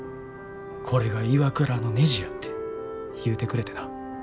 「これがＩＷＡＫＵＲＡのねじや」って言うてくれてな。